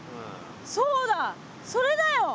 そうだそれだよ！